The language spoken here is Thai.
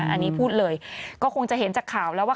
อันนี้พูดเลยก็คงจะเห็นจากข่าวแล้วว่า